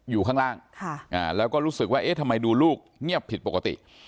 อยู่ข้างล่างแล้วก็รู้สึกว่าเอ๊ะทำไมดูลูกเงียบผิดปกติ